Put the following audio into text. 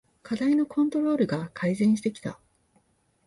課題のコントロールが改善してきた